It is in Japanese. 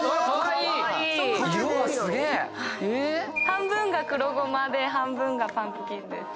半分が黒胡麻で半分がパンプキンです。